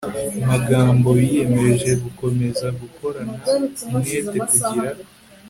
magambo Biyemeje gukomeza gukorana umwete kugira